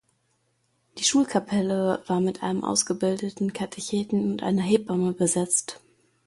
Die Schulkapelle war mit einem ausgebildeten Katecheten und einer Hebamme besetzt.